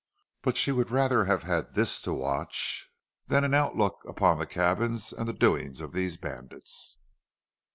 But she would rather have had this to watch than an outlook upon the cabins and the doings of these bandits.